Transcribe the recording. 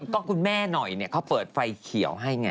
ก็คุณแม่หน่อยเขาเปิดไฟเขียวให้ไง